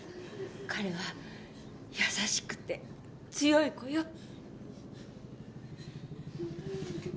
彼は優しくて強い子よ。